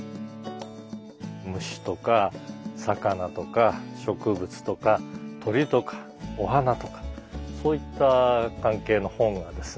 虫とか魚とか植物とか鳥とかお花とかそういった関係の本がですね